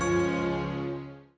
di video selanjutnya